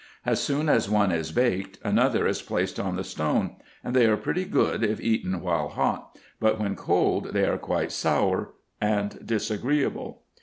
As soon as one is baked, another is placed on the stone ; and they are pretty good if eaten while hot, but when cold they are quite sour and disagreeable.